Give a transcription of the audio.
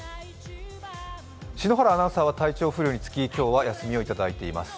篠原アナウンサーは体調不良につき、今日は休みをいただいています。